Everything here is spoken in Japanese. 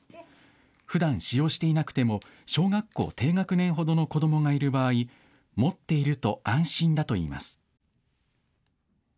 ふだん使用していなくても小学校低学年ほどの子どもがいる場合、持っていると安心だと言います。